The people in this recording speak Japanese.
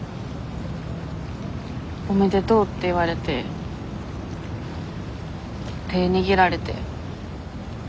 おめでとうって言われて手握られて。